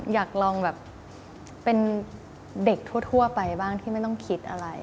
อยากลองแบบเป็นเด็กทั่วไปบ้างที่ไม่ต้องคิดอะไร